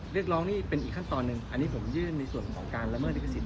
เรียกร้องนี่เป็นอีกขั้นตอนหนึ่งอันนี้ผมยื่นในส่วนของการละเมิดลิขสิท